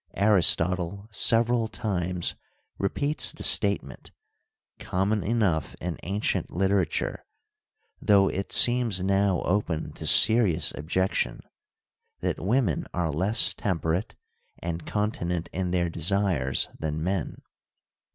Aristotle several times repeats the statement, com mon enough in ancient literature, though it seems now open to serious objection, that women are less temperate and continent in their desires than men.